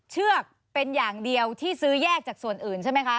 เชือกเป็นอย่างเดียวที่ซื้อแยกจากส่วนอื่นใช่ไหมคะ